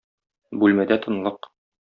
Бүлмәдә тынлык.